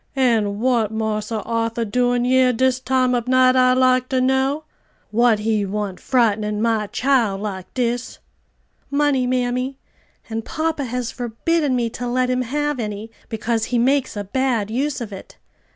"An' what Marse Arthur doin' yer dis time ob night, I like ter know? what he want frightenin' my chile like dis?" "Money, mammy, and papa has forbidden me to let him have any, because he makes a bad use of it."